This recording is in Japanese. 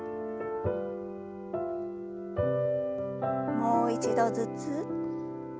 もう一度ずつ。